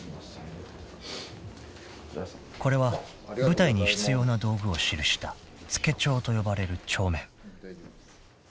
［これは舞台に必要な道具を記した附張と呼ばれる帳面］